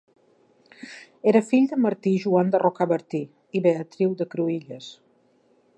Era fill de Martí Joan de Rocabertí i Beatriu de Cruïlles.